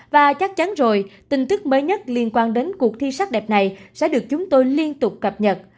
và chắc chắn rồi tin tức mới nhất liên quan đến cuộc thi sắc đẹp này sẽ được chúng tôi liên tục cập nhật